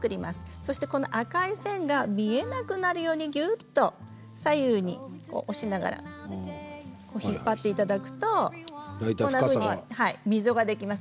そして、この赤い線が見えなくなるようにぎゅっと左右に押しながら引っ張っていただくと溝ができます。